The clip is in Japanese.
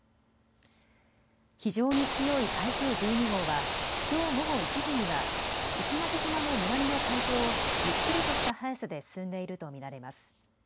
非常に強い台風１２号はきょう午後１時には石垣島の南の海上をゆっくりとした速さで進んでいると見られます。